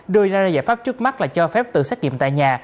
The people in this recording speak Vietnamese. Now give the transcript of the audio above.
đưa ra ra giải pháp trước mắt là cho phép tự xét nghiệm tại nhà